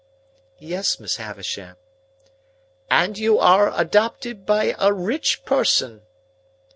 "Yes, Miss Havisham." "And you are adopted by a rich person?"